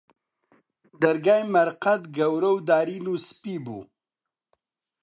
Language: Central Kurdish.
دەرگای مەرقەد، گەورە و دارین و سپی بوو